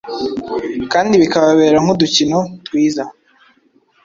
kandi bikababera nk’udukino.twiza